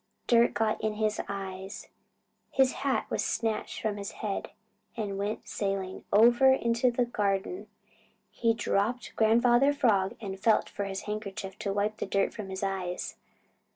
Dirt got in his eyes. His hat was snatched from his head and went sailing over into the garden. He dropped Grandfather Frog and felt for his handkerchief to wipe the dirt from his eyes.